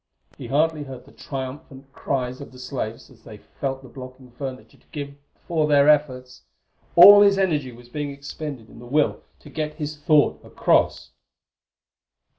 He hardly heard the triumphant cries of the slaves as they felt the blocking furniture give before their efforts; all his energy was being expended in the will to get his thought across.